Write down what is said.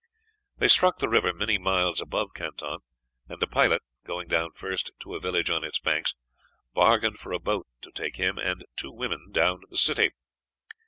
They struck the river many miles above Canton, and the pilot, going down first to a village on its banks, bargained for a boat to take him and two women down to the city.